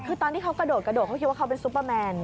คือตอนที่เขากระโดดกระโดดเขาคิดว่าเขาเป็นซุปเปอร์แมน